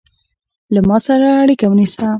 له ما سره اړیکه ونیسه